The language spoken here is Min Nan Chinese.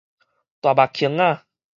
大目框仔